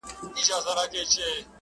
دا خو ددې لپاره.